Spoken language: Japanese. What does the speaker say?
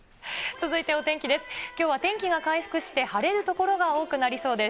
続いてお天気です。